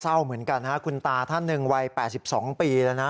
เศร้าเหมือนกันนะคุณตาท่านหนึ่งวัย๘๒ปีแล้วนะ